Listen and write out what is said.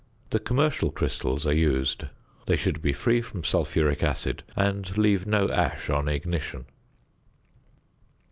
The commercial crystals are used; they should be free from sulphuric acid and leave no ash on ignition.